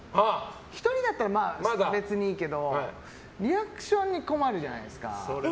１人だったら別にいいけどリアクションに困るじゃないですか。